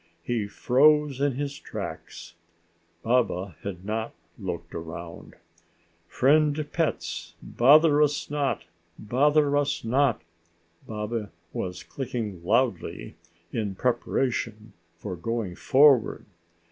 He froze in his tracks. Baba had not looked around. "Friend pets, bother us not, bother us not!" Baba was clicking loudly in preparation for going forward.